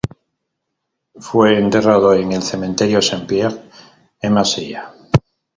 Fue enterrado en el Cementerio Saint-Pierre, en Marsella.